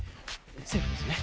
セーフですよね？